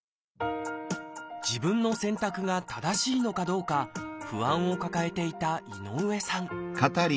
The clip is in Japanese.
自分の選択が正しいのかどうか不安を抱えていた井上さん